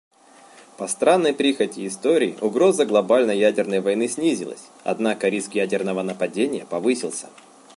По странной прихоти истории угроза глобальной ядерной войны снизилась, однако риск ядерного нападения повысился".